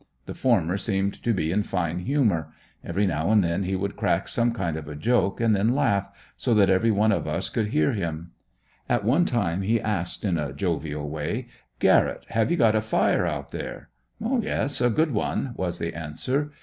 The former seemed to be in fine humor. Every now and then he would crack some kind of a joke and then laugh, so that every one of us could hear him. At one time he asked in a jovial way: 'Garrett, have you got a fire out there?' 'Yes, a good one!' was the answer.